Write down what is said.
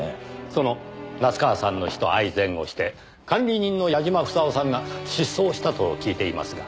その夏河さんの死と相前後して管理人の矢嶋房夫さんが失踪したと聞いていますが。